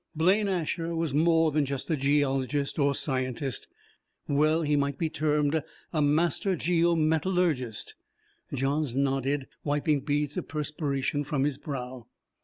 Blaine Asher was more than just a geologist or scientist. Well he might be termed a master geo metallurgist. Johns nodded, wiping beads of perspiration from his brow.